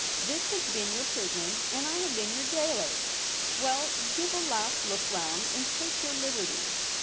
This has been your prison, and I have been your gaoler. Well, give a last look round, and take your liberty.'